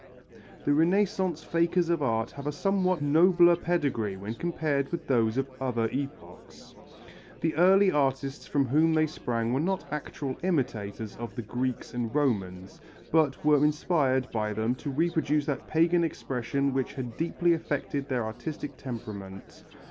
The Renaissance fakers of art have a somewhat nobler pedigree when compared with those of other epochs. The early artists from whom they sprang were not actual imitators of the Greeks and Romans, but were inspired by them to reproduce that pagan expression which had deeply affected their artistic temperament.